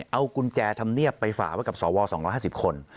เอากุญแจธรรมเนียบไปฝากไว้กับสว๒๕๐คน